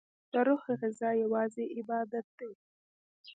دروح غذا یوازی عبادت دی